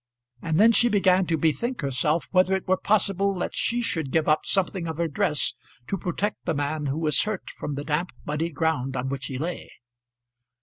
And then she began to bethink herself whether it were possible that she should give up something of her dress to protect the man who was hurt from the damp muddy ground on which he lay.